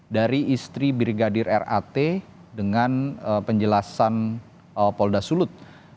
dari istri brigadir r a t dengan penjelasan polda sulut